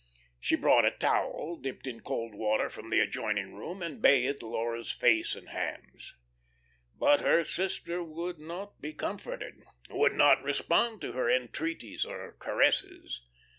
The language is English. She brought a towel dipped in cold water from the adjoining room and bathed Laura's face and hands. But her sister would not be comforted, would not respond to her entreaties or caresses.